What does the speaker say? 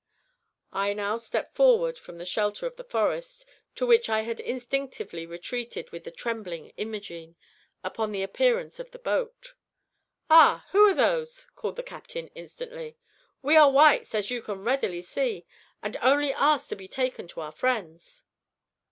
I now stepped forward from the shelter of the forest, to which I had instinctively retreated with the trembling Imogene, upon the appearance of the boat. "Ah! who are those?" called the captain, instantly. "We are whites, as you can readily see, and only ask to be taken to our friends."